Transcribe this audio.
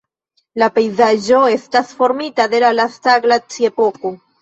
La pejzaĝo estas formita de la lasta glaciepoko.